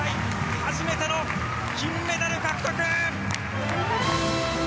初めての金メダル獲得！